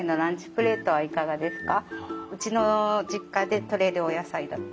プレートはいかがですか？